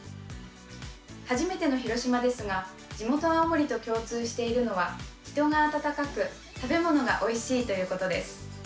初めての広島ですが地元、青森と共通しているのは人が温かく食べ物がおいしいということです。